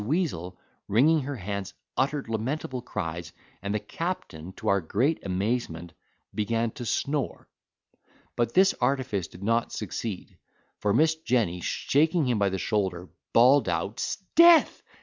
Weazel, wringing her hands uttered lamentable cries: and the captain, to our great amazement, began to snore; but this artifice did not succeed; for Miss Jenny, shaking him by the shoulder, bawled out, "Sdeath!